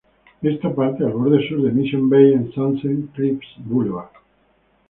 Esta parte al borde sur de Mission Bay en Sunset Cliffs Blvd.